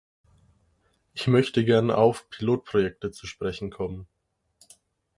Ich möchte gern auf Pilotprojekte zu sprechen kommen.